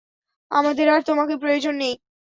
আমাদের আর তোমাকে প্রয়োজন নেই।